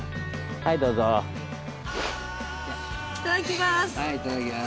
はいいただきます。